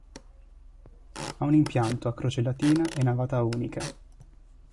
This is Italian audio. Ha un impianto a croce latina e navata unica.